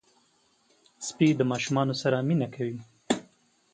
سپي د ماشومانو سره مینه کوي.